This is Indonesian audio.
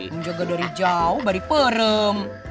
menjaga dari jauh dari perem